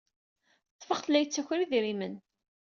Ḍḍfeɣ-t la yettaker idrimen.